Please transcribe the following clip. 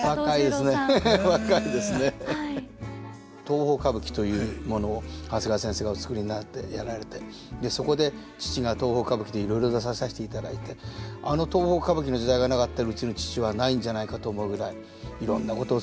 東宝歌舞伎というものを長谷川先生がお作りになってやられてそこで父が東宝歌舞伎でいろいろ出ささしていただいてあの東宝歌舞伎の時代がなかったらうちの父はないんじゃないかと思うぐらいいろんなこと